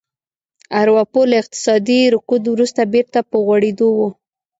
اروپا له اقتصادي رکود وروسته بېرته په غوړېدو وه